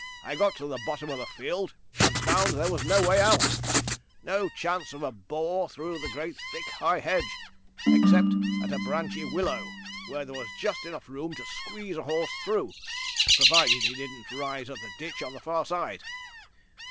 I got to the bottom of the field, and found there was no way out no chance of a bore through the great thick, high hedge, except at a branchy willow, where there was just enough room to squeeze a horse through, provided he didn't rise at the ditch on the far side.